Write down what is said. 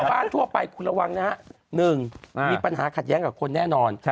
ทั่วไปคุณระวังนะฮะ๑มีปัญหาขัดแย้งกับคนแน่นอน